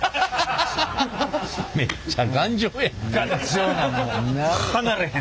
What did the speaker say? めっちゃ頑丈やん。